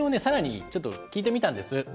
更にちょっと聞いてみたんです。